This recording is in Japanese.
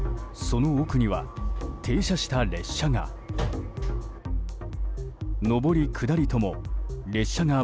その奥には停車した列車が。